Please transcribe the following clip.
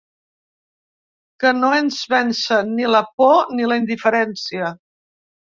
Que no ens vença ni la por ni la indiferència.